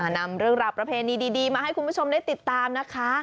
นำเรื่องราวประเพณีดีมาให้คุณผู้ชมได้ติดตามนะคะ